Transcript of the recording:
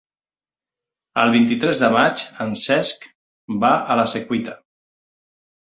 El vint-i-tres de maig en Cesc va a la Secuita.